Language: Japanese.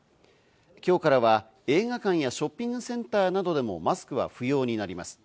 今日からは映画館やショッピングセンターなどでもマスクは不要になります。